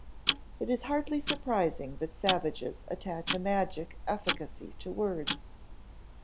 It is hardly surprising that savages attach a magic efficacy to words.